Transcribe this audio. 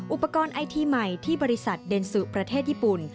อุปกรณ์ไอทีใหม่ที่บริษัทเดนสุประเทศญี่ปุ่น